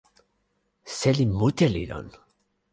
seli mute li lon.